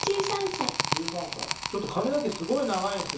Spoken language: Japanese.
ちょっと髪の毛すごい長いんすよ。